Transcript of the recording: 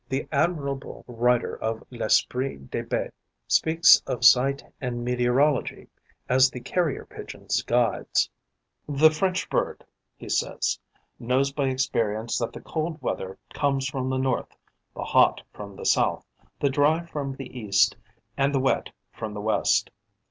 the admirable writer of "L'Esprit des betes", speaks of sight and meteorology as the Carrier pigeon's guides: 'The French bird,' he says, 'knows by experience that the cold weather comes from the north, the hot from the south, the dry from the east and the wet from the west.